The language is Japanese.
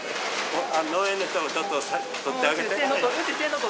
農園の人もちょっと撮ってあげて。